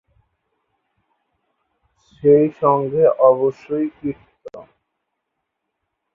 সেই সঙ্গে অবশ্যই কীর্তন।